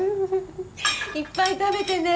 いっぱい食べてね。